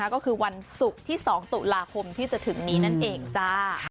ก็คือวันศุกร์ที่๒ตุลาคมที่จะถึงนี้นั่นเองจ้า